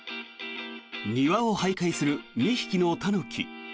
庭を徘徊する２匹のタヌキ。